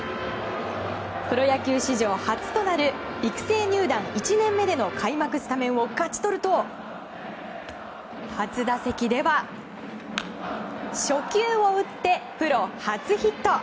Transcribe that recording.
プロ野球史上初となる育成入団１年目での開幕スタメンを勝ち取ると初打席では初球を打ってプロ初ヒット。